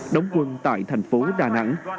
đóng quân tại thành phố đà nẵng